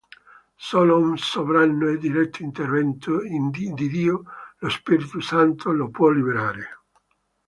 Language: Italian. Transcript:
Solo un sovrano e diretto intervento di Dio lo Spirito Santo lo può liberare.